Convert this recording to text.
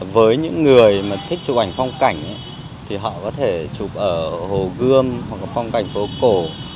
với những người mà thích chụp ảnh phong cảnh thì họ có thể chụp ở hồ gươm hoặc là phong cảnh phố cổ